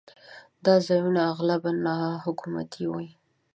دا ځایونه اغلباً ناحکومتي وي.